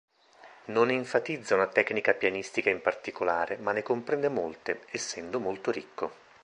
Non enfatizza una tecnica pianistica in particolare ma ne comprende molte, essendo molto ricco.